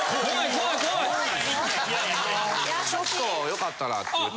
・怖い怖い・ちょっと良かったらって言って。